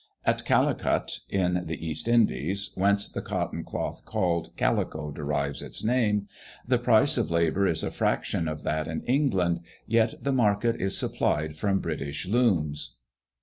At Calicut, (in the East Indies,) whence the cotton cloth called calico derives its name, the price of labour is a fraction of that in England, yet the market is supplied from British looms.